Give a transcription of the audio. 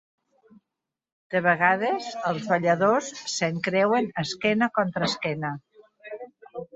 De vegades, els balladors s'encreuen esquena contra esquena.